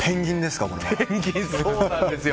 そうなんですよ。